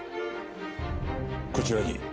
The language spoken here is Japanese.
こちらに。